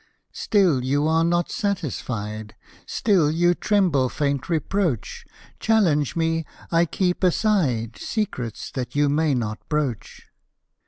Still you are not satisfied, Still you tremble faint reproach; Challenge me I keep aside Secrets that you may not broach.